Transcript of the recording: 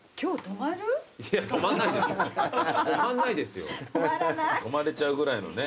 泊まれちゃうぐらいのね。